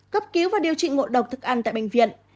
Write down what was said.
cấp cứu và điều trị ngộ độc thực ăn tại bệnh viện